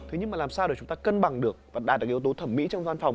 thế nhưng mà làm sao để chúng ta cân bằng được và đạt được yếu tố thẩm mỹ trong văn phòng